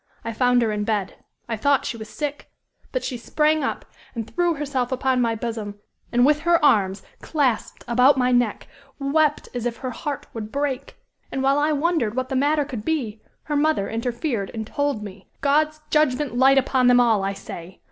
I found her in bed. I thought she was sick. But she sprang up, and threw herself upon my bosom, and with her arms clasped about my neck, wept as if her heart would break. And while I wondered what the matter could be, her mother interfered and told me. God's judgment light upon them all, I say!